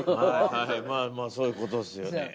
まあ、そういうことっすよね。